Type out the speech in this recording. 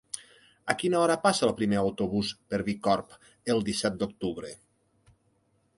A quina hora passa el primer autobús per Bicorb el disset d'octubre?